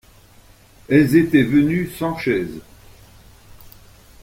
Elles étaient venues sans chaise.